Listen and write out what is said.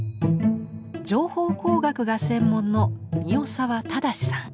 情報工学が専門の三代沢正さん。